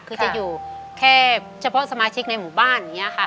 คือจะอยู่แค่เฉพาะสมาชิกในหมู่บ้านอย่างนี้ค่ะ